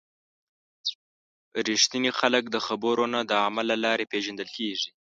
رښتیني خلک د خبرو نه، د عمل له لارې پیژندل کېږي.